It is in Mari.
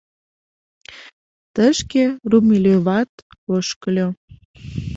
Тышке Румелёват ошкыльо.